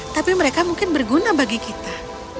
tapi mereka mungkin berguna bagi kita